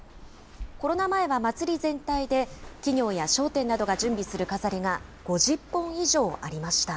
コロナ前は祭り全体で、企業や商店などが準備する飾りが５０本以上ありました。